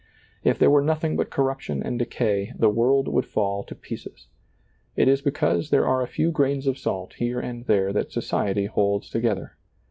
If there were nothing but corruption and decay, the world would fall to pieces. It is because there are a few grains of salt here and there that socie^ holds together.